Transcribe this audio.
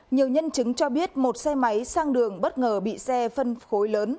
nhiều nhân chứng cho biết một xe máy sang đường bất ngờ bị xe phân khối lớn